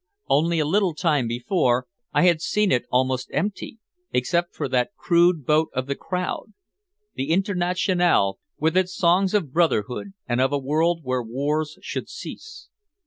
Only a little time before, I had seen it almost empty, except for that crude boat of the crowd; the Internationale, with its songs of brotherhood and of a world where wars should cease.